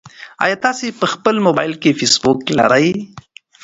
ایا تاسي په خپل موبایل کې فېسبوک لرئ؟